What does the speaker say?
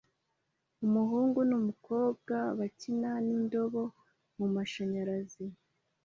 Umuhungu numukobwa bakina nindobo mumashanyarazi